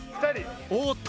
おーっと